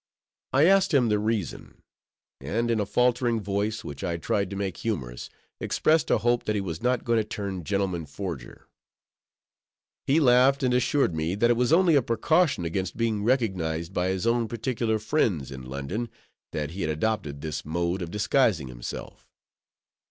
I asked him the reason; and in a faltering voice, which I tried to make humorous, expressed a hope that he was not going to turn gentleman forger. He laughed, and assured me that it was only a precaution against being recognized by his own particular friends in London, that he had adopted this mode of disguising himself.